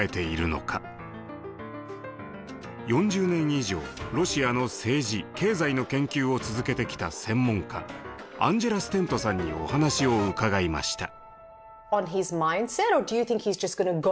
４０年以上ロシアの政治経済の研究を続けてきた専門家アンジェラ・ステントさんにお話を伺いました。